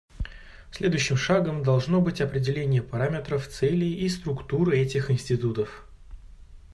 Следующим шагом должно быть определение параметров, целей и структур этих институтов.